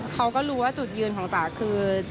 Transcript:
เขาก็รู้ว่าจุดยืนของจ๋าคือ